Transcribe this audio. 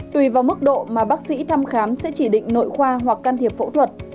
tùy vào mức độ mà bác sĩ thăm khám sẽ chỉ định nội khoa hoặc can thiệp phẫu thuật